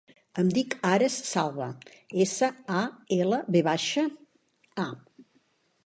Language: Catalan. Em dic Ares Salva: essa, a, ela, ve baixa, a.